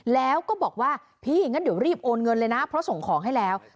แล้วก็บอกว่า